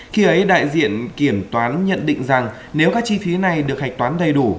khi ấy đại diện kiểm toán nhận định rằng nếu các chi phí này được hạch toán đầy đủ